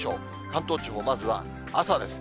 関東地方、まずは朝です。